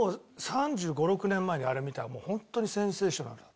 ３５３６年前にあれ見たら本当にセンセーショナルだった。